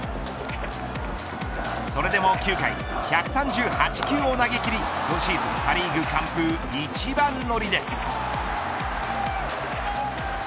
それでも９回１３８球を投げきり今シーズン、パ・リーグ完封一番乗りです。